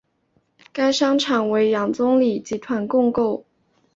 该商场由杨忠礼集团共构。